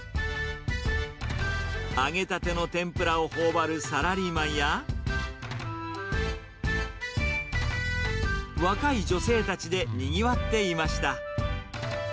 揚げたての天ぷらをほおばるサラリーマンや、若い女性たちでにぎわっていました。